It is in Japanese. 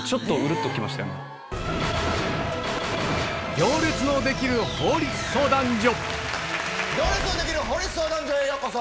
『行列のできる法律相談所』へようこそ。